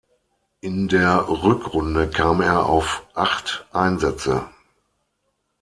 In der Rückrunde kam er auf acht Einsätze.